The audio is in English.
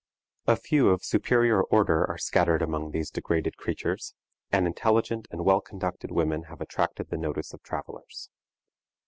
A few of superior order are scattered among these degraded creatures, and intelligent and well conducted women have attracted the notice of travelers.